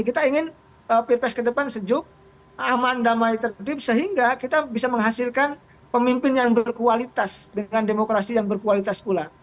kita ingin pilpres ke depan sejuk aman damai tertib sehingga kita bisa menghasilkan pemimpin yang berkualitas dengan demokrasi yang berkualitas pula